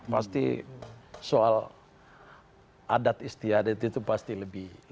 pasti soal adat istiadat itu pasti lebih kental di sana